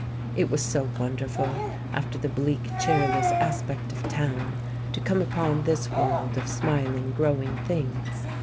It was so wonderful, after the bleak, cheerless aspect of town, to come upon this world of smiling growing things.